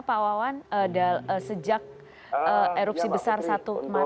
pak wawan sejak erupsi besar satu kemarin